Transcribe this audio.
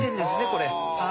これ。